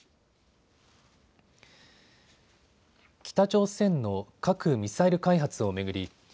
北朝鮮の核・ミサイル開発を巡り